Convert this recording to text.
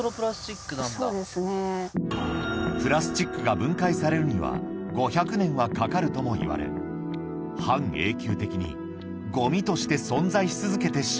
プラスチックが分解されるには５００年はかかるともいわれ半永久的にゴミとして存在し続けてしまうんです